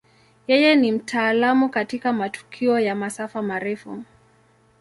Yeye ni mtaalamu katika matukio ya masafa marefu.